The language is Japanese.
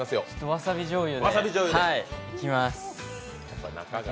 わさびじょうゆでいきます。